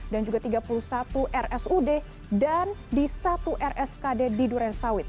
di tiga puluh satu rs ud dan di satu rs kd di durensawit